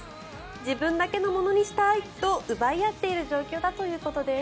自分だけのものにしたいと奪い合っている状況だということです。